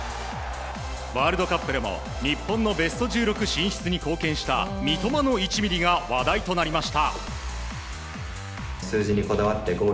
ワールドカップでも日本のベスト１６進出に貢献した三笘の１ミリが話題となりました。